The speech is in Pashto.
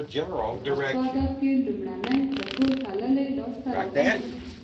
په پښتو ادب کې لومړنۍ په تول تللې لاسته راغلې